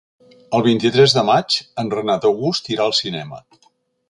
El vint-i-tres de maig en Renat August irà al cinema.